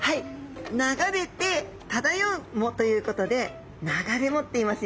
流れて漂う藻ということで流れ藻っていいますよね。